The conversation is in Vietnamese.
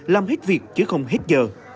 làm hết việc chứ không hết giờ